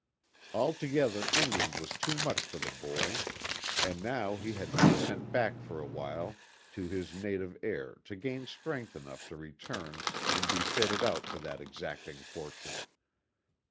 Altogether England was too much for the boy, and now he had to be sent back for awhile to his native air to gain strength enough to return and be fitted out for that exacting fortune.